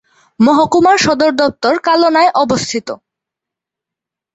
মহকুমার সদরদপ্তর কালনায় অবস্থিত।